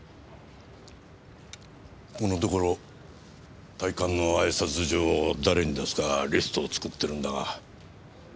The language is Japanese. このところ退官の挨拶状を誰に出すかリストを作ってるんだが。